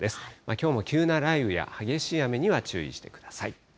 きょうも急な雷雨や、激しい雨には注意してください。